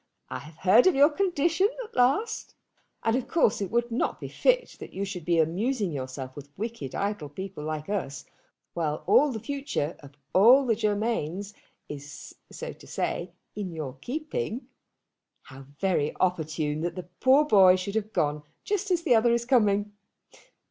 I have heard of your condition at last, and of course it would not be fit that you should be amusing yourself with wicked idle people like us, while all the future of all the Germains is, so to say, in your keeping. How very opportune that that poor boy should have gone just as the other is coming!